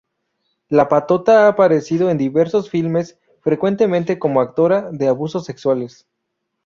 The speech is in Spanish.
La patota ha aparecido en diversos filmes, frecuentemente como autora de abusos sexuales.